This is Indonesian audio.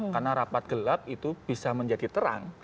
karena rapat gelap itu bisa menjadi terang